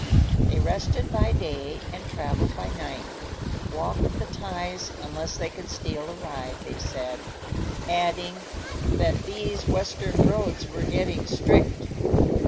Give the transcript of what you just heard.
They rested by day and traveled by night; walked the ties unless they could steal a ride, they said; adding that "these Western roads were getting strict."